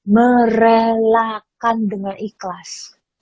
merelakan dengan ikhlas